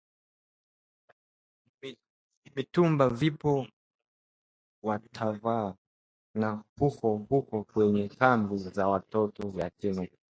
mitumba vipo watavaa na huko huko kwenye kambi za watoto yatima